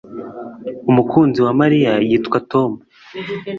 Umukunzi wa Mariya yitwa Tom